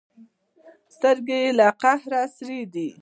سترګې یې له قهره سرې دي.